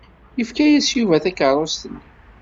Yefka-as Yuba takeṛṛust-nni.